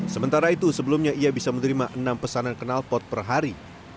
sementara itu sebelumnya ia bisa menerima enam pesanan kenalpot per hari